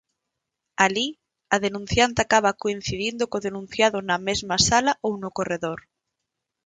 Alí, a denunciante acaba coincidindo co denunciado na mesma sala ou no corredor.